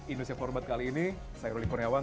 indonesia forward kali ini saya ruli kurniawan